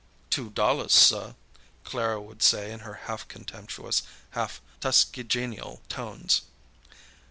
"Two dollars, suh," Clara would say in her half contemptuous, half Tuskegeenial tones.